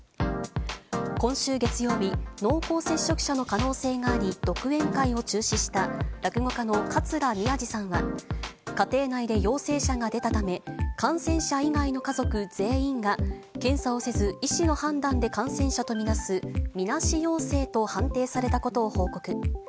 今週月曜日、濃厚接触者の可能性があり、独演会を中止した落語家の桂宮治さんは、家庭内で陽性者が出たため、感染者以外の家族全員が、検査をせず医師の判断で感染者と見なす、みなし陽性と判定されたことを報告。